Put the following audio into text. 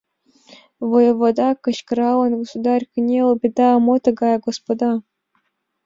Воевода кычкыралын: Государь! кынел! беда!» «Мо тыгае, господа?